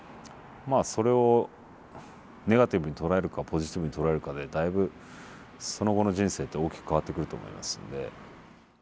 それをネガティブに捉えるかポジティブに捉えるかでだいぶその後の人生って大きく変わってくると思いますので。